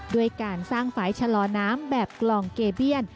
ด้วยการสร้างฝ่ายชะลอน้ำแบบกลองเกเบียน